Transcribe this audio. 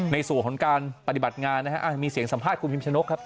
ในส่วนของการปฏิบัติงานนะฮะมีเสียงสัมภาษณ์คุณพิมชนกครับ